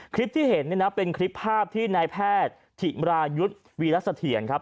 คลิปที่เห็นเนี่ยนะเป็นคลิปภาพที่นายแพทย์ถิมรายุทธ์วีรเสถียรครับ